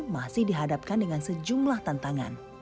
masih dihadapkan dengan sejumlah tantangan